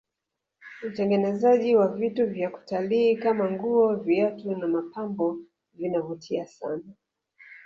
utengenezaji wa vitu vya kutalii Kama nguo viatu na mapambo vinavutia sana